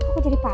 aku jadi parah